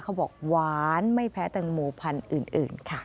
เขาบอกหวานไม่แพ้แตงโมพันธุ์อื่นค่ะ